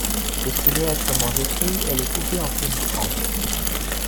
Destinée à être mangée crue, elle est coupée en fines tranches.